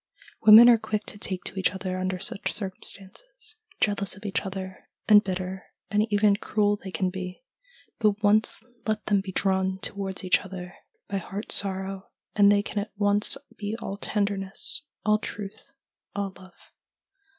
Women are quick to take to each other under such circumstances. Jealous of each other, and bitter and even cruel they can be, but once let them be drawn towards each other by heart sorrow and they can at once be all tenderness, all truth, all love.